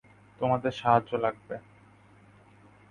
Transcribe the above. তোমাদের সাহায্য লাগবে।